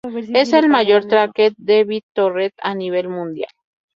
Es el mayor "tracker" de BitTorrent a nivel mundial.